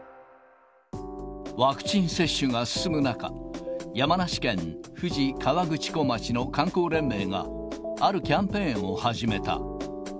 ワクチン接種が進む中、山梨県富士河口湖町の観光連盟が、あるキャンペーンを始めた。